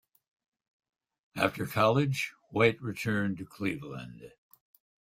After college, White returned to Cleveland.